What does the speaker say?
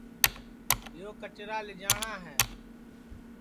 یو کچرا لیجاٹؔا ہے